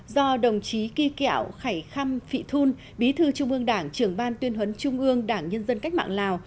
do đồng chí kỳ kẹo khải khăm phị thun bí thư trung ương đảng trưởng ban tuyên huấn trung ương đảng nhân dân cách mạng lào